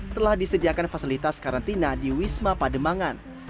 telah disediakan fasilitas karantina di wisma pademangan